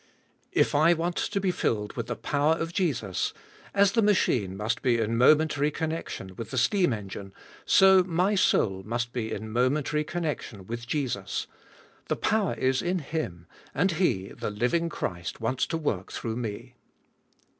If I want to be filled with the power of Jesus, as the machine must be in moment ary connection with the steam engine, so my soul must be in mementar}^ connection with Jesus; the powe" is in Him and He, the living Christ, wants to wovV tSirough me.